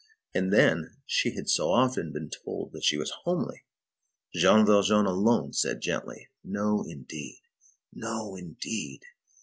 And then, she had so often been told that she was homely; Jean Valjean alone said gently: "No indeed! no indeed!"